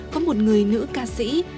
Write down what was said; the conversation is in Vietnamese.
có một người nữ ca sĩ